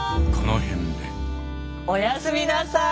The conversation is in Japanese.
おやすみなさい。